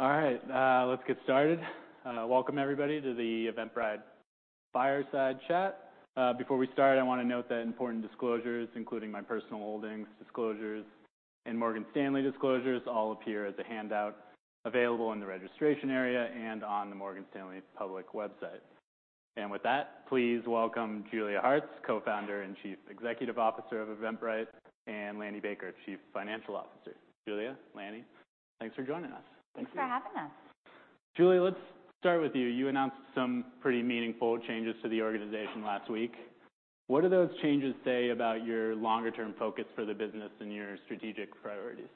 All right, let's get started. Welcome everybody to the Eventbrite Fireside Chat. Before we start, I wanna note that important disclosures, including my personal holdings disclosures and Morgan Stanley disclosures, all appear as a handout available in the registration area and on the Morgan Stanley public website. With that, please welcome Julia Hartz, Co-Founder and Chief Executive Officer of Eventbrite, and Lanny Baker, Chief Financial Officer. Julia, Lanny, thanks for joining us. Thanks for having us. Julia, let's start with you. You announced some pretty meaningful changes to the organization last week. What do those changes say about your longer-term focus for the business and your strategic priorities?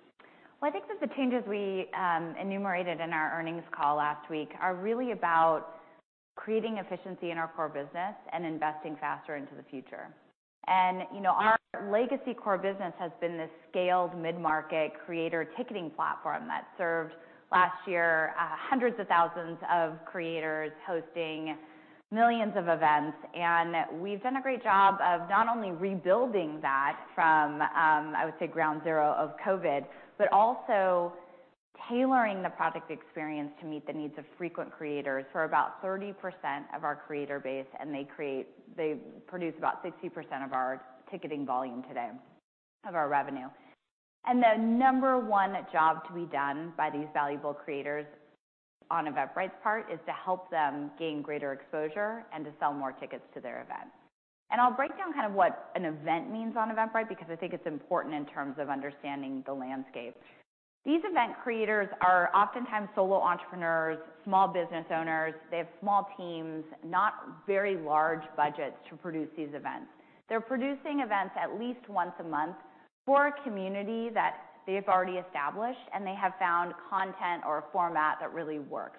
Well, I think that the changes we enumerated in our earnings call last week are really about creating efficiency in our core business and investing faster into the future. You know, our legacy core business has been this scaled mid-market creator ticketing platform that served last year, hundreds of thousands of creators hosting millions of events. We've done a great job of not only rebuilding that from, I would say ground zero of COVID, but also tailoring the product experience to meet the needs of frequent creators who are about 30% of our creator base, and they produce about 60% of our ticketing volume today, of our revenue. The number one job to be done by these valuable creators on Eventbrite's part is to help them gain greater exposure and to sell more tickets to their event. I'll break down kind of what an event means on Eventbrite because I think it's important in terms of understanding the landscape. These event creators are oftentimes solo entrepreneurs, small business owners. They have small teams, not very large budgets to produce these events. They're producing events at least once a month for a community that they've already established, and they have found content or a format that really works.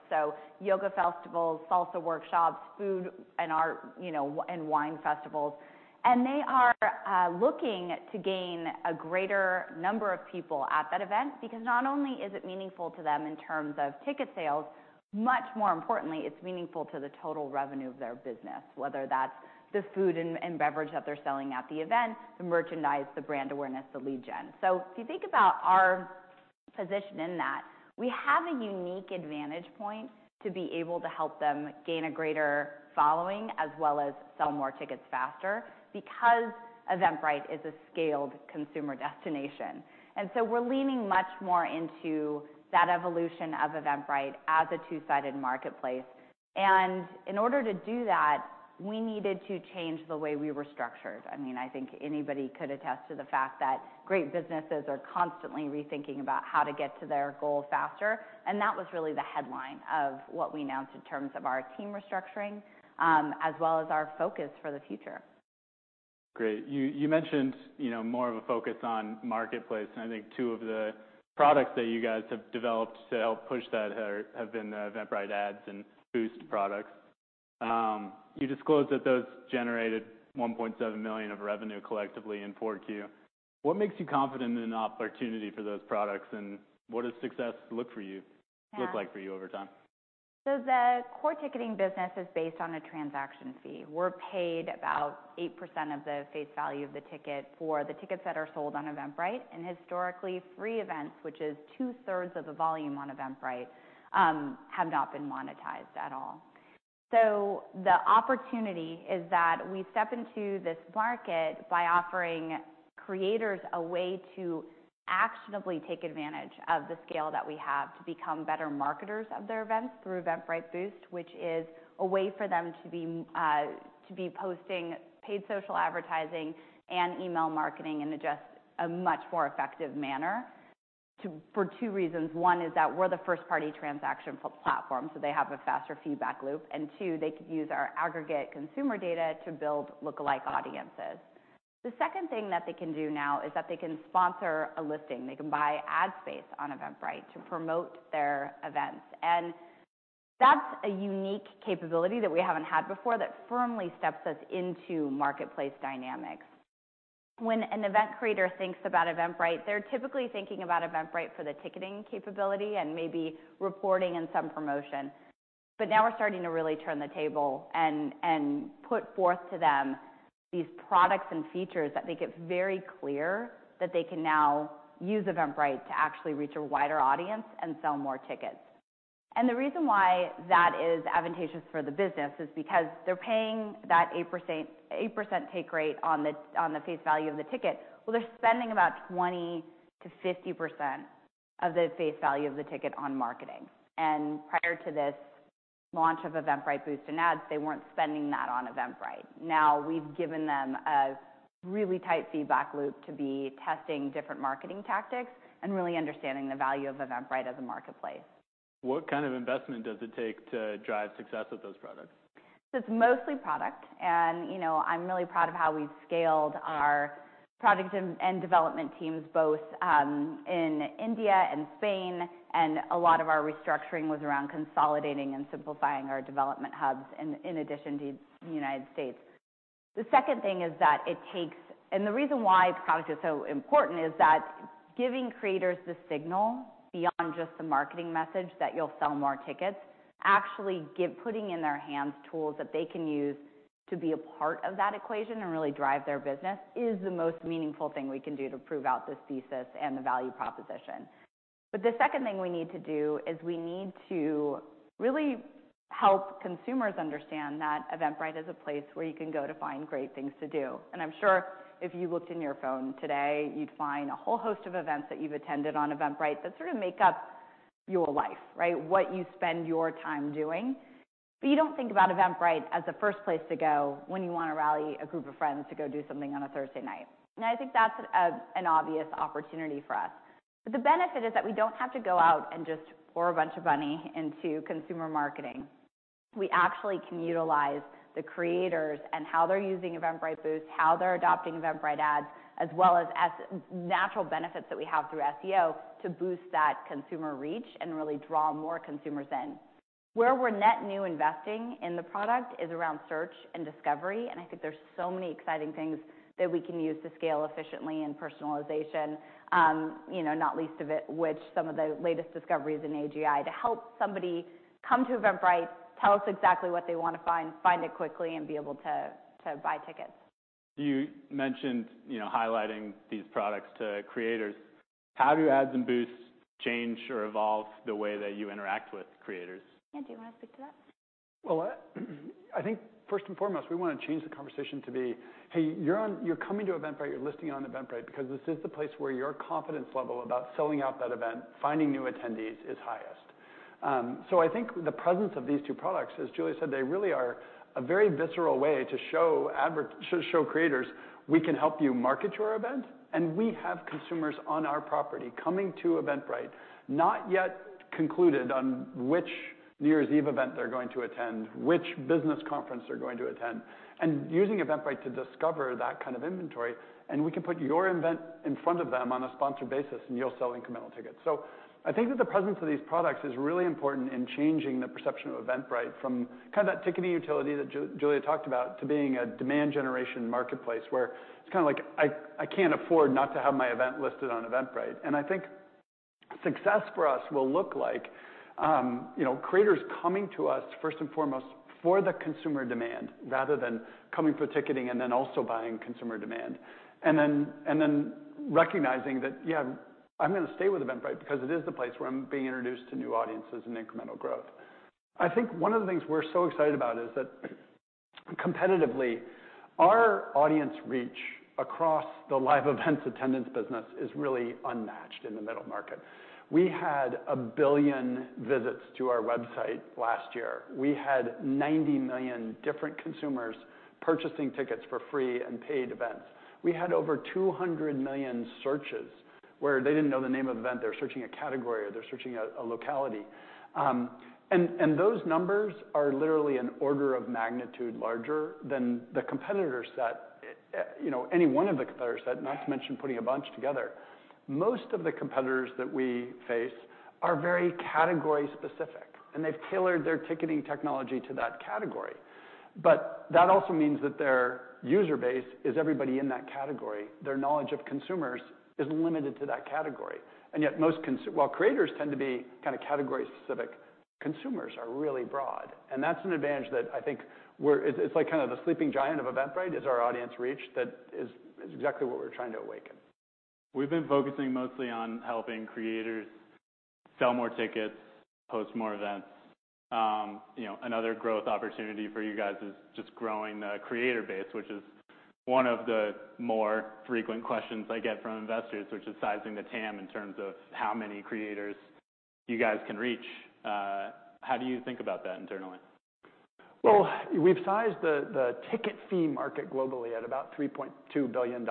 Yoga festivals, salsa workshops, food and art, you know, and wine festivals. They are looking to gain a greater number of people at that event because not only is it meaningful to them in terms of ticket sales, much more importantly, it's meaningful to the total revenue of their business, whether that's the food and beverage that they're selling at the event, the merchandise, the brand awareness, the lead gen. If you think about our position in that, we have a unique advantage point to be able to help them gain a greater following as well as sell more tickets faster because Eventbrite is a scaled consumer destination. We're leaning much more into that evolution of Eventbrite as a two-sided marketplace. In order to do that, we needed to change the way we were structured. I mean, I think anybody could attest to the fact that great businesses are constantly rethinking about how to get to their goal faster, and that was really the headline of what we announced in terms of our team restructuring, as well as our focus for the future. Great. You mentioned, you know, more of a focus on marketplace, and I think two of the products that you guys have developed to help push that have been the Eventbrite Ads and Boost products. You disclosed that those generated $1.7 million of revenue collectively in 4Q. What makes you confident in an opportunity for those products, and what does success look for you? Yeah... look like for you over time? The core ticketing business is based on a transaction fee. We're paid about 8% of the face value of the ticket for the tickets that are sold on Eventbrite. Historically, free events, which is two-thirds of the volume on Eventbrite, have not been monetized at all. The opportunity is that we step into this market by offering creators a way to actionably take advantage of the scale that we have to become better marketers of their events through Eventbrite Boost, which is a way for them to be posting paid social advertising and email marketing in a much more effective manner for two reasons. One is that we're the first party transaction platform, so they have a faster feedback loop. Two, they could use our aggregate consumer data to build lookalike audiences. The second thing that they can do now is that they can sponsor a listing. They can buy ad space on Eventbrite to promote their events. That's a unique capability that we haven't had before that firmly steps us into marketplace dynamics. When an event creator thinks about Eventbrite, they're typically thinking about Eventbrite for the ticketing capability and maybe reporting and some promotion. Now we're starting to really turn the table and put forth to them these products and features that make it very clear that they can now use Eventbrite to actually reach a wider audience and sell more tickets. The reason why that is advantageous for the business is because they're paying that 8% take rate on the face value of the ticket. Well, they're spending about 20%-50% of the face value of the ticket on marketing. Prior to this launch of Eventbrite Boost and Ads, they weren't spending that on Eventbrite. Now, we've given them a really tight feedback loop to be testing different marketing tactics and really understanding the value of Eventbrite as a marketplace. What kind of investment does it take to drive success with those products? It's mostly product and, you know, I'm really proud of how we've scaled our product and development teams both in India and Spain, and a lot of our restructuring was around consolidating and simplifying our development hubs in addition to the United States. The second thing is that the reason why product is so important is that giving creators the signal beyond just the marketing message that you'll sell more tickets, actually putting in their hands tools that they can use to be a part of that equation and really drive their business is the most meaningful thing we can do to prove out this thesis and the value proposition. The second thing we need to do is we need to really help consumers understand that Eventbrite is a place where you can go to find great things to do. I'm sure if you looked in your phone today, you'd find a whole host of events that you've attended on Eventbrite that sort of make up your life, right? What you spend your time doing. You don't think about Eventbrite as the first place to go when you wanna rally a group of friends to go do something on a Thursday night. I think that's an obvious opportunity for us. The benefit is that we don't have to go out and just pour a bunch of money into consumer marketing. We actually can utilize the creators and how they're using Eventbrite Boost, how they're adopting Eventbrite Ads, as well as natural benefits that we have through SEO to boost that consumer reach and really draw more consumers in. Where we're net new investing in the product is around search and discovery. I think there's so many exciting things that we can use to scale efficiently in personalization, you know, not least of it, which some of the latest discoveries in AGI to help somebody come to Eventbrite, tell us exactly what they wanna find it quickly, and be able to buy tickets. You mentioned, you know, highlighting these products to creators. How do Ads and Boost change or evolve the way that you interact with creators? Do you wanna speak to that? I think first and foremost, we wanna change the conversation to be, "Hey, you're coming to Eventbrite, you're listing on Eventbrite because this is the place where your confidence level about selling out that event, finding new attendees is highest." I think the presence of these two products, as Julia said, they really are a very visceral way to show creators, we can help you market your event, and we have consumers on our property coming to Eventbrite, not yet concluded on which New Year's Eve event they're going to attend, which business conference they're going to attend, and using Eventbrite to discover that kind of inventory, and we can put your event in front of them on a sponsored basis, and you'll sell incremental tickets. I think that the presence of these products is really important in changing the perception of Eventbrite from kind of that ticketing utility that Julia talked about to being a demand generation marketplace, where it's kind of like, I can't afford not to have my event listed on Eventbrite. I think success for us will look like, you know, creators coming to us first and foremost for the consumer demand rather than coming for ticketing and then also buying consumer demand. Then recognizing that, yeah, I'm gonna stay with Eventbrite because it is the place where I'm being introduced to new audiences and incremental growth. I think one of the things we're so excited about is that competitively, our audience reach across the live events attendance business is really unmatched in the middle market. We had 1 billion visits to our website last year. We had 90 million different consumers purchasing tickets for free and paid events. We had over 200 million searches where they didn't know the name of the event, they're searching a category, or they're searching a locality. Those numbers are literally an order of magnitude larger than the competitor set, you know, any one of the competitor set, not to mention putting a bunch together. Most of the competitors that we face are very category-specific, and they've tailored their ticketing technology to that category. That also means that their user base is everybody in that category. Their knowledge of consumers is limited to that category. Yet while creators tend to be kind of category-specific, consumers are really broad, that's an advantage that I think it's like kind of the sleeping giant of Eventbrite is our audience reach. That is exactly what we're trying to awaken. We've been focusing mostly on helping creators sell more tickets, post more events. you know, another growth opportunity for you guys is just growing the creator base, which is one of the more frequent questions I get from investors, which is sizing the TAM in terms of how many creators you guys can reach. How do you think about that internally? Well, we've sized the ticket fee market globally at about $3.2 billion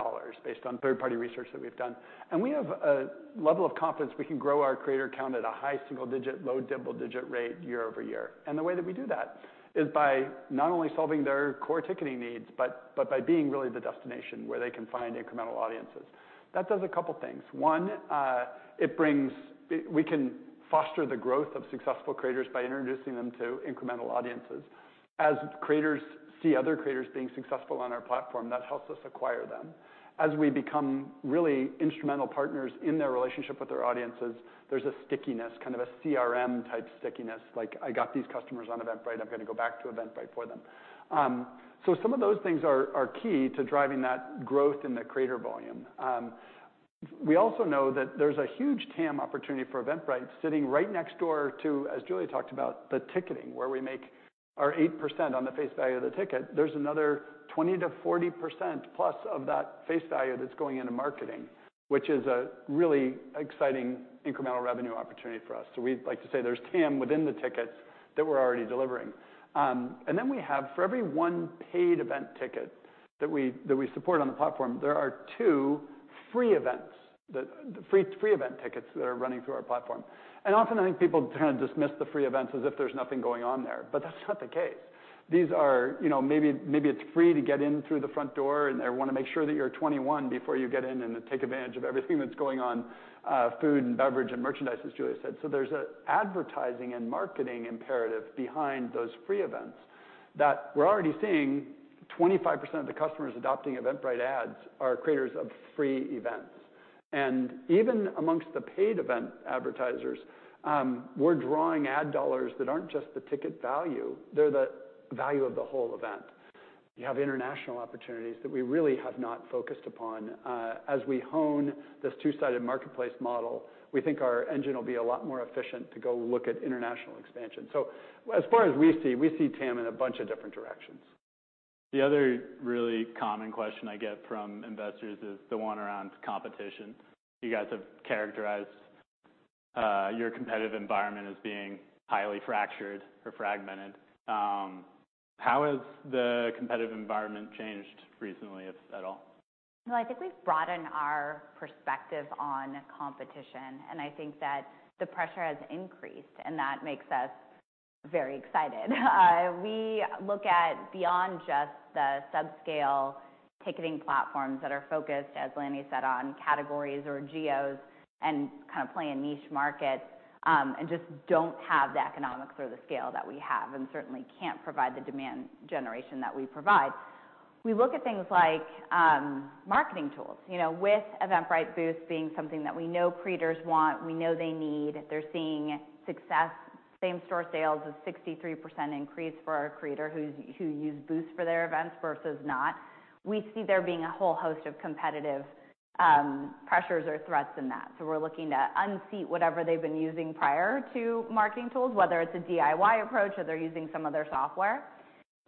based on third-party research that we've done. We have a level of confidence we can grow our creator count at a high single digit, low double digit rate year-over-year. The way that we do that is by not only solving their core ticketing needs, but by being really the destination where they can find incremental audiences. That does a couple things. One, we can foster the growth of successful creators by introducing them to incremental audiences. As creators see other creators being successful on our platform, that helps us acquire them. As we become really instrumental partners in their relationship with their audiences, there's a stickiness, kind of a CRM-type stickiness, like, "I got these customers on Eventbrite, I'm gonna go back to Eventbrite for them." Some of those things are key to driving that growth in the creator volume. We also know that there's a huge TAM opportunity for Eventbrite sitting right next door to, as Julia talked about, the ticketing, where we make our 8% on the face value of the ticket. There's another 20%-40% plus of that face value that's going into marketing, which is a really exciting incremental revenue opportunity for us. We like to say there's TAM within th tickets that we're already delivering. And then we have for every one paid event ticket that we support on the platform, there are two free event tickets that are running through our platform. Often, I think people kind of dismiss the free events as if there's nothing going on there, but that's not the case. These are, you know, maybe it's free to get in through the front door, and they wanna make sure that you're 21 before you get in and take advantage of everything that's going on, food and beverage and merchandise, as Julia said. There's a advertising and marketing imperative behind those free events that we're already seeing 25% of the customers adopting Eventbrite Ads are creators of free events. Even amongst the paid event advertisers, we're drawing ad dollars that aren't just the ticket value, they're the value of the whole event. You have international opportunities that we really have not focused upon. As we hone this two-sided marketplace model, we think our engine will be a lot more efficient to go look at international expansion. As far as we see, we see TAM in a bunch of different directions. The other really common question I get from investors is the one around competition. You guys have characterized your competitive environment as being highly fractured or fragmented. How has the competitive environment changed recently, if at all? I think we've broadened our perspective on competition, I think that the pressure has increased, that makes us very excited. We look at beyond just the sub-scale ticketing platforms that are focused, as Lanny said, on categories or geos and kind of play a niche market, and just don't have the economics or the scale that we have, and certainly can't provide the demand generation that we provide. We look at things like marketing tools, you know, with Eventbrite Boost being something that we know creators want, we know they need. They're seeing success. Same store sales is 63% increase for our creator who use Boost for their events versus not. We see there being a whole host of competitive pressures or threats in that. We're looking to unseat whatever they've been using prior to marketing tools, whether it's a DIY approach or they're using some other software.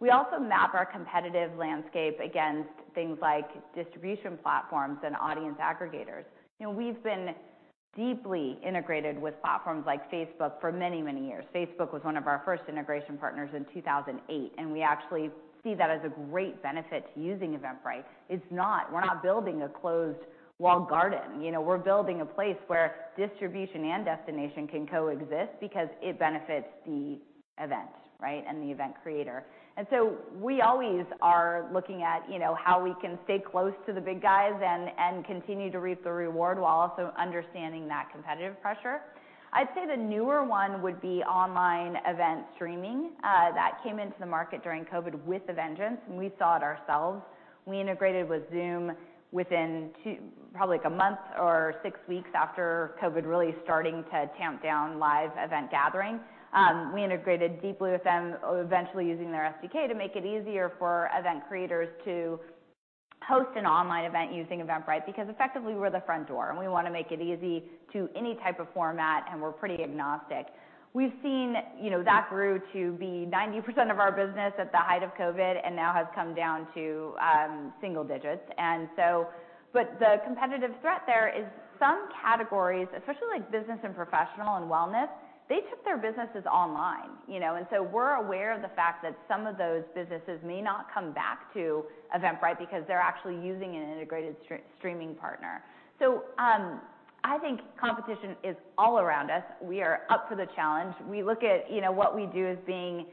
We also map our competitive landscape against things like distribution platforms and audience aggregators. You know, we've been deeply integrated with platforms like Facebook for many, many years. Facebook was one of our first integration partners in 2008, and we actually see that as a great benefit to using Eventbrite. We're not building a closed wall garden, you know? We're building a place where distribution and destination can coexist because it benefits the event, right, and the event creator. We always are looking at, you know, how we can stay close to the big guys and continue to reap the reward while also understanding that competitive pressure. I'd say the newer one would be online event streaming, that came into the market during COVID with a vengeance, and we saw it ourselves. We integrated with Zoom within probably like a month or six weeks after COVID really starting to tamp down live event gathering. We integrated deeply with them, eventually using their SDK to make it easier for event creators to host an online event using Eventbrite because effectively we're the front door, and we wanna make it easy to any type of format, and we're pretty agnostic. We've seen, you know, that grew to be 90% of our business at the height of COVID, and now has come down to single digits. The competitive threat there is some categories, especially like business and professional and wellness, they took their businesses online, you know? We're aware of the fact that some of those businesses may not come back to Eventbrite because they're actually using an integrated streaming partner. I think competition is all around us. We are up for the challenge. We look at, you know, what we do as being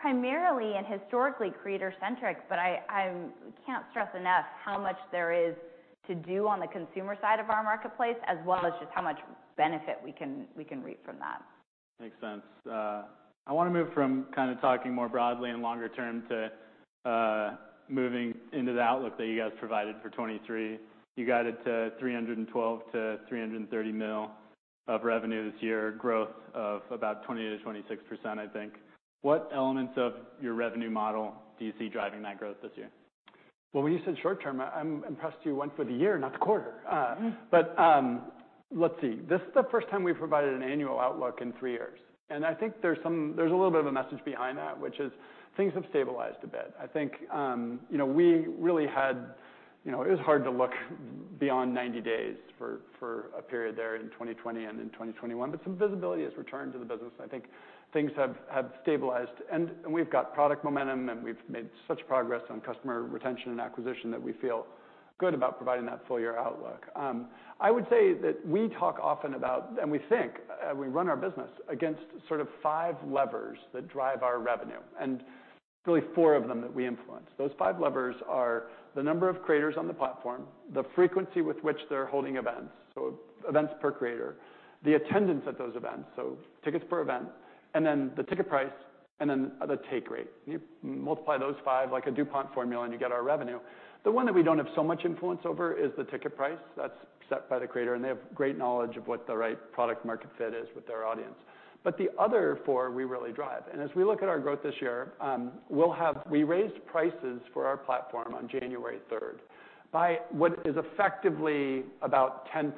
primarily and historically creator centric, but I can't stress enough how much there is to do on the consumer side of our marketplace as well as just how much benefit we can reap from that. Makes sense. I wanna move from kind of talking more broadly and longer term to moving into the outlook that you guys provided for 2023. You got it to $312 million-$330 million of revenue this year, growth of about 20%-26%, I think. What elements of your revenue model do you see driving that growth this year? Well, when you said short term, I'm impressed you went for the year, not the quarter. Let's see. This is the first time we've provided an annual outlook in three years. I think there's a little bit of a message behind that, which is things have stabilized a bit. I think, you know, we really had, you know, it was hard to look beyond 90 days for a period there in 2020 and in 2021. Some visibility has returned to the business. I think things have stabilized and we've got product momentum, and we've made such progress on customer retention and acquisition that we feel good about providing that full year outlook. I would say that we talk often about, and we think, we run our business against sort of five levers that drive our revenue, and really four of them that we influence. Those five levers are the number of creators on the platform, the frequency with which they're holding events, so events per creator. The attendance at those events, so tickets per event. And then the ticket price, and then the take rate. You multiply those five like a DuPont formula, and you get our revenue. The one that we don't have so much influence over is the ticket price. That's set by the creator, and they have great knowledge of what the right product market fit is with their audience. The other four we really drive. As we look at our growth this year, we raised prices for our platform on January third by what is effectively about 10%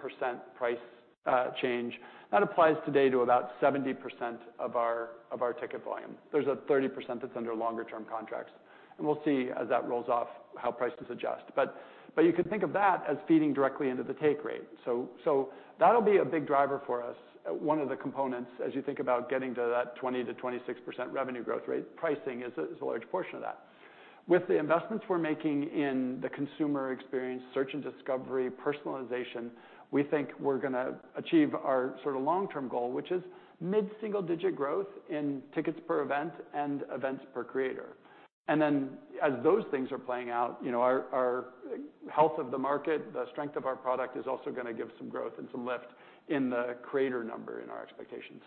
price change. That applies today to about 70% of our ticket volume. There's a 30% that's under longer term contracts, and we'll see as that rolls off how prices adjust. You could think of that as feeding directly into the take rate. That'll be a big driver for us. One of the components as you think about getting to that 20%-26% revenue growth rate, pricing is a large portion of that. With the investments we're making in the consumer experience, search and discovery, personalization, we think we're gonna achieve our sort of long-term goal, which is mid-single-digit growth in tickets per event and events per creator. As those things are playing out, you know, our health of the market, the strength of our product is also gonna give some growth and some lift in the creator number in our expectations.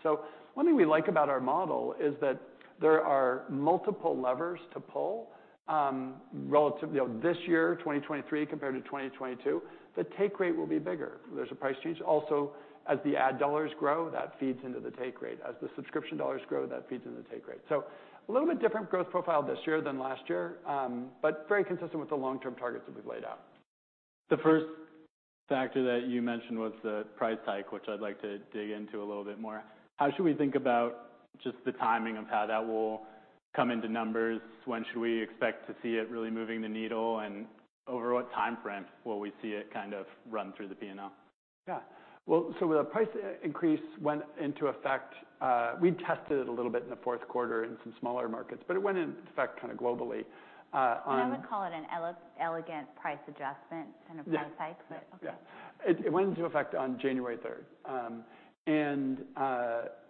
One thing we like about our model is that there are multiple levers to pull, you know, this year, 2023 compared to 2022, the take rate will be bigger. There's a price change. Also, as the ad dollars grow, that feeds into the take rate. As the subscription dollars grow, that feeds into the take rate. A little bit different growth profile this year than last year, but very consistent with the long-term targets that we've laid out. The first factor that you mentioned was the price hike, which I'd like to dig into a little bit more. How should we think about just the timing of how that will come into numbers? When should we expect to see it really moving the needle, and over what timeframe will we see it kind of run through the P&L? Yeah. Well, the price increase went into effect, we tested it a little bit in the fourth quarter in some smaller markets, but it went into effect kinda globally. I would call it an elegant price adjustment kind of price hike. Yeah. Okay. It went into effect on January third.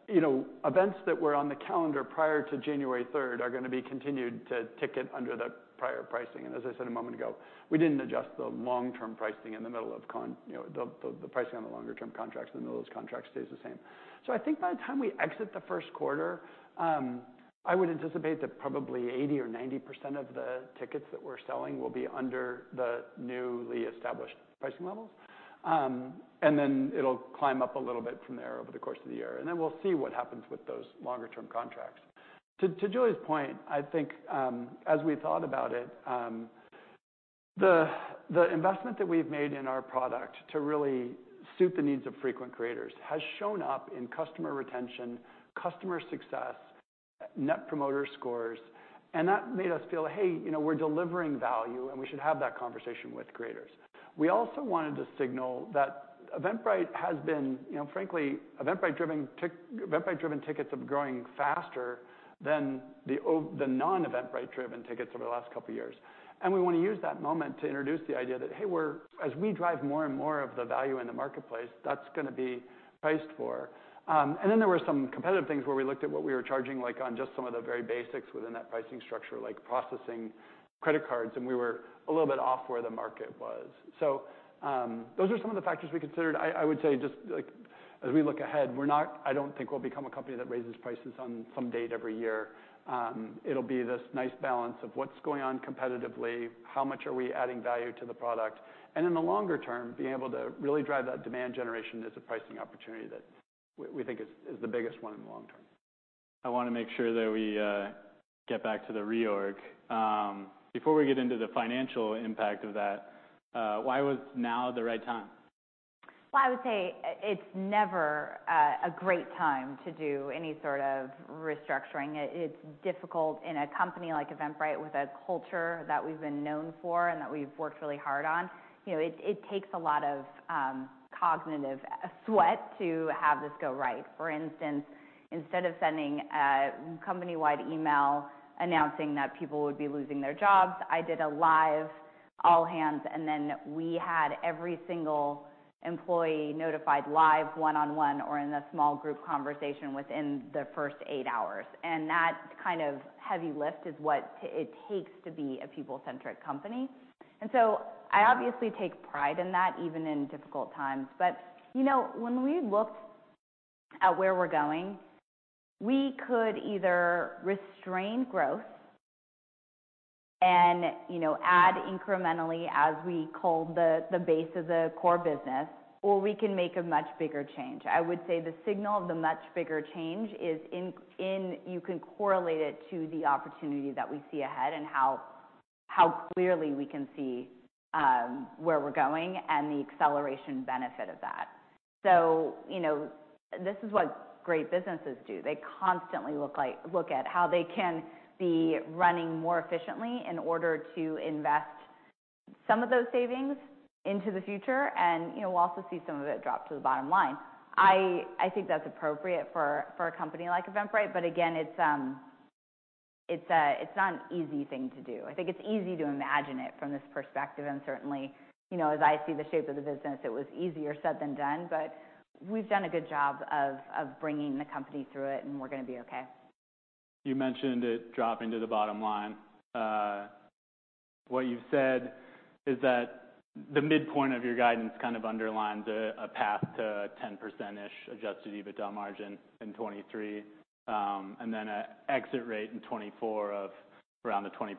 you know, events that were on the calendar prior to January third are gonna be continued to ticket under the prior pricing. As I said a moment ago, we didn't adjust the long-term pricing in the middle of you know, the pricing on the longer term contracts in the middle of those contracts stays the same. I think by the time we exit the first quarter, I would anticipate that probably 80% or 90% of the tickets that we're selling will be under the newly established pricing levels. It'll climb up a little bit from there over the course of the year, We'll see what happens with those longer term contracts. To Julia's point, I think, as we thought about it, the investment that we've made in our product to really suit the needs of frequent creators has shown up in customer retention, customer success, Net Promoter Scores, and that made us feel, "Hey, you know, we're delivering value, and we should have that conversation with creators." We also wanted to signal that Eventbrite has been, you know, frankly, Eventbrite-driven tickets have been growing faster than the non-Eventbrite-driven tickets over the last couple years. We wanna use that moment to introduce the idea that, hey, as we drive more and more of the value in the marketplace, that's gonna be priced for. There were some competitive things where we looked at what we were charging, like, on just some of the very basics within that pricing structure, like processing credit cards, and we were a little bit off where the market was. Those are some of the factors we considered. I would say just, like, as we look ahead, I don't think we'll become a company that raises prices on some date every year. It'll be this nice balance of what's going on competitively, how much are we adding value to the product, and in the longer term, being able to really drive that demand generation as a pricing opportunity that we think is the biggest one in the long term. I wanna make sure that we get back to the reorg. Before we get into the financial impact of that, why was now the right time? Well, I would say it's never a great time to do any sort of restructuring. It's difficult in a company like Eventbrite with a culture that we've been known for and that we've worked really hard on. You know, it takes a lot of cognitive sweat to have this go right. For instance, instead of sending a company-wide email announcing that people would be losing their jobs, I did a live all hands, and then we had every single employee notified live one-on-one or in a small group conversation within the first eight hours. That kind of heavy lift is what it takes to be a people-centric company. I obviously take pride in that, even in difficult times. You know, when we looked at where we're going, we could either restrain growth and, you know, add incrementally as we culled the base of the core business, or we can make a much bigger change. I would say the signal of the much bigger change is you can correlate it to the opportunity that we see ahead and how clearly we can see where we're going and the acceleration benefit of that. You know, this is what great businesses do. They constantly look at how they can be running more efficiently in order to invest some of those savings into the future and, you know, we'll also see some of it drop to the bottom line. I think that's appropriate for a company like Eventbrite, but again, it's a, it's not an easy thing to do. I think it's easy to imagine it from this perspective, and certainly, you know, as I see the shape of the business, it was easier said than done. We've done a good job of bringing the company through it, and we're gonna be okay. You mentioned it dropping to the bottom line. What you've said is that the midpoint of your guidance kind of underlines a path to 10%-ish adjusted EBITDA margin in 2023, and then a exit rate in 2024 of around the 20%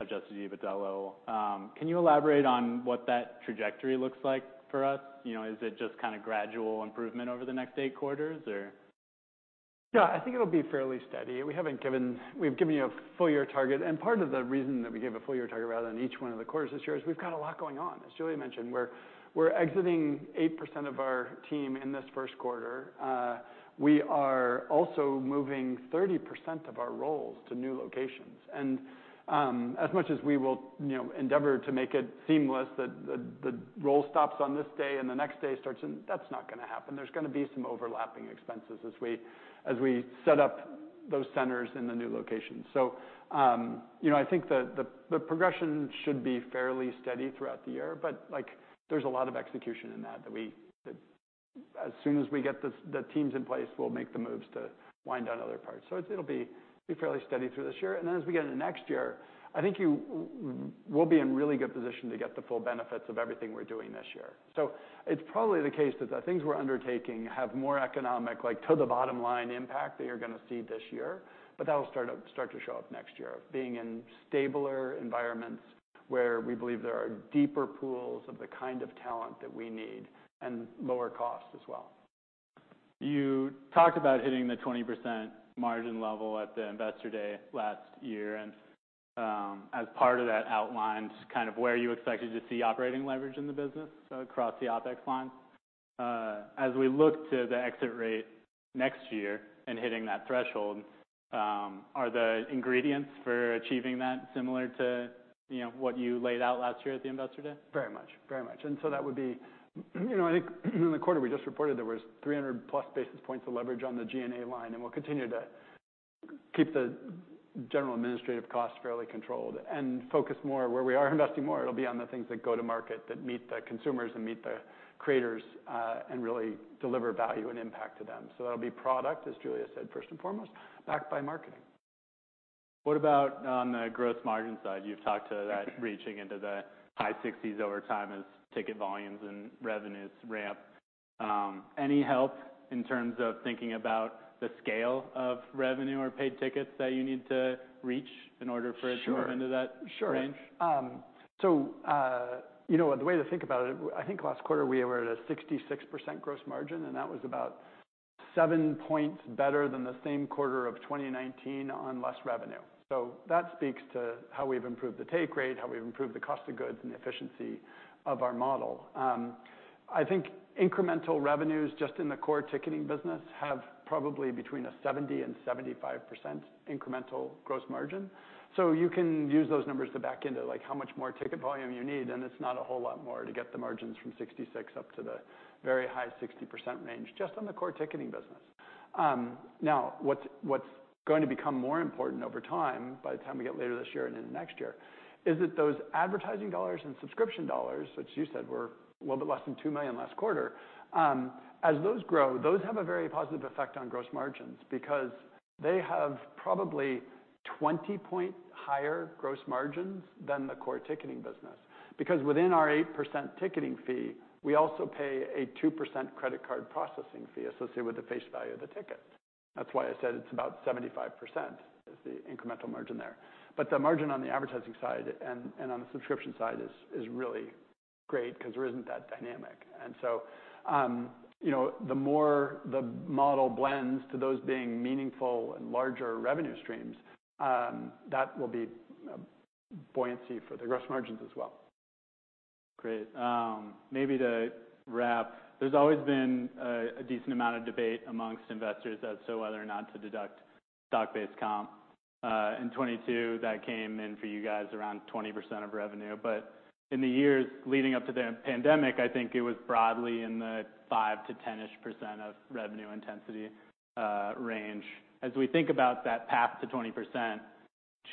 adjusted EBITDA low. Can you elaborate on what that trajectory looks like for us? You know, is it just kinda gradual improvement over the next 8 quarters or? Yeah. I think it'll be fairly steady. We've given you a full year target, and part of the reason that we gave a full year target rather than each one of the quarters this year is we've got a lot going on. As Julia mentioned, we're exiting 8% of our team in this first quarter. We are also moving 30% of our roles to new locations. As much as we will, you know, endeavor to make it seamless that the role stops on this day and the next day starts, that's not gonna happen. There's gonna be some overlapping expenses this way as we set up those centers in the new locations. You know, I think the, the progression should be fairly steady throughout the year, but, like, there's a lot of execution in that, as soon as we get the teams in place, we'll make the moves to wind down other parts. It's, it'll be fairly steady through this year. As we get into next year, I think We'll be in really good position to get the full benefits of everything we're doing this year. It's probably the case that the things we're undertaking have more economic, like, to the bottom line impact that you're gonna see this year, but that'll start to show up next year, being in stabler environments where we believe there are deeper pools of the kind of talent that we need and lower cost as well. You talked about hitting the 20% margin level at the Investor Day last year, as part of that outlined kind of where you expected to see operating leverage in the business across the OpEx line. As we look to the exit rate next year and hitting that threshold, are the ingredients for achieving that similar to, you know, what you laid out last year at the Investor Day? Very much. Very much. That would be, you know, I think, in the quarter we just reported, there was 300+ basis points of leverage on the G&A line, We'll continue to keep the general administrative costs fairly controlled. Focus more where we are investing more, it'll be on the things that go to market that meet the consumers and meet the creators, and really deliver value and impact to them. That'll be product, as Julia said, first and foremost, backed by marketing. What about on the gross margin side? You've talked to that reaching into the high sixties over time as ticket volumes and revenues ramp. Any help in terms of thinking about the scale of revenue or paid tickets that you need to reach in order. Sure to move into that range? Sure. you know, the way to think about it, I think last quarter, we were at a 66% gross margin. That was about 7 points better than the same quarter of 2019 on less revenue. That speaks to how we've improved the take rate, how we've improved the cost of goods and the efficiency of our model. I think incremental revenues, just in the core ticketing business, have probably between a 70%-75% incremental gross margin. You can use those numbers to back into, like, how much more ticket volume you need, and it's not a whole lot more to get the margins from 66 up to the very high 60% range, just on the core ticketing business. Now, what's going to become more important over time, by the time we get later this year and into next year, is that those advertising dollars and subscription dollars, which you said were a little bit less than $2 million last quarter, as those grow, those have a very positive effect on gross margins, because they have probably 20 percentage points higher gross margins than the core ticketing business. Because within our 8% ticketing fee, we also pay a 2% credit card processing fee associated with the face value of the ticket. That's why I said it's about 75% is the incremental margin there. But the margin on the advertising side and on the subscription side is really great because there isn't that dynamic. You know, the more the model blends to those being meaningful and larger revenue streams, that will be buoyancy for the gross margins as well. Great. maybe to wrap, there's always been a decent amount of debate amongst investors as to whether or not to deduct stock-based comp. In 2022, that came in for you guys around 20% of revenue. In the years leading up to the pandemic, I think it was broadly in the 5%-10-ish% of revenue intensity, range. As we think about that path to 20%,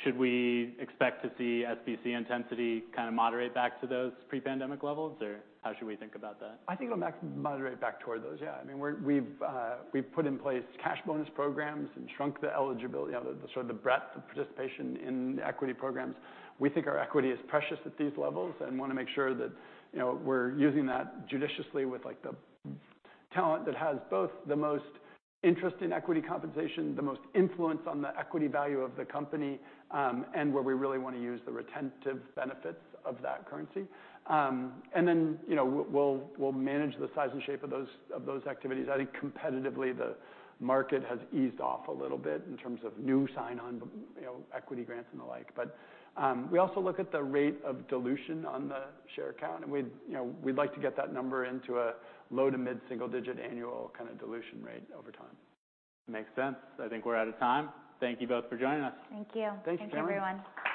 should we expect to see SBC intensity kind of moderate back to those pre-pandemic levels, or how should we think about that? I think it'll back moderate back toward those, yeah. I mean, we've put in place cash bonus programs and shrunk the eligibility, you know, the sort of the breadth of participation in equity programs. We think our equity is precious at these levels and wanna make sure that, you know, we're using that judiciously with, like, the talent that has both the most interest in equity compensation, the most influence on the equity value of the company, and where we really wanna use the retentive benefits of that currency. Then, you know, we'll manage the size and shape of those, of those activities. I think competitively, the market has eased off a little bit in terms of new sign-on, you know, equity grants and the like. We also look at the rate of dilution on the share count, and we, you know, we'd like to get that number into a low- to mid-single-digit annual kinda dilution rate over time. Makes sense. I think we're out of time. Thank you both for joining us. Thank you. Thanks, Jeremy. Thanks, everyone.